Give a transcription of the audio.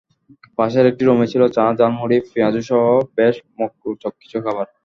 পাশের একটি রুমে ছিল চা, ঝালমুড়ি, পিয়াজুসহ বেশ মুখরোচক কিছু খাবার।